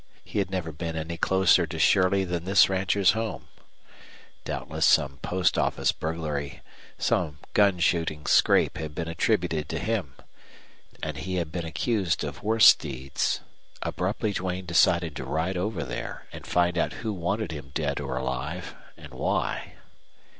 He had never been any closer to Shirley than this rancher's home. Doubtless some post office burglary, some gun shooting scrape had been attributed to him. And he had been accused of worse deeds. Abruptly Duane decided to ride over there and find out who wanted him dead or alive, and why.